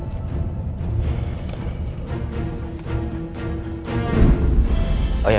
maaf ya pak